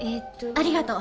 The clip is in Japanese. ありがとう。